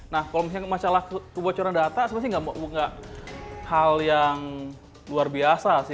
nah kalau misalnya masalah kebocoran data sebenarnya sih nggak hal yang luar biasa sih